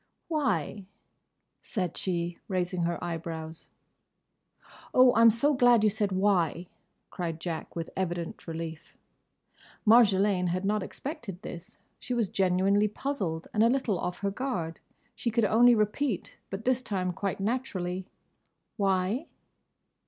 "Why?" said she, raising her eyebrows. "Oh, I'm so glad you said 'Why?'" cried Jack, with evident relief. Marjolaine had not expected this. She was genuinely puzzled and a little off her guard. She could only repeat, but this time quite naturally, "Why?"